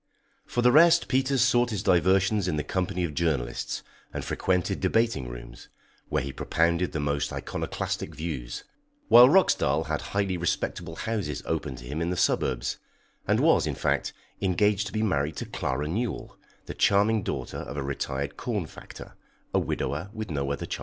For the rest Peters sought his diversions in the company of journalists, and frequented debating rooms, where he propounded the most iconoclastic views; while Roxdal had highly respectable houses open to him in the suburbs, and was, in fact, engaged to be married to Clara Newell, the charming daughter of a retired corn factor, a widower with no other child.